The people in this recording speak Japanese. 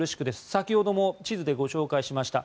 先ほども地図でご紹介しました。